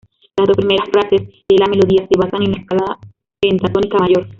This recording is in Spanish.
Las dos primeras frases de la melodía se basan en la escala pentatónica mayor.